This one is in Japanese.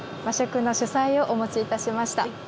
和食の主菜をお持ちいたしました。